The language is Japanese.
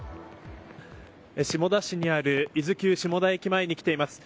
下田市にある伊豆急下田駅前に来ています。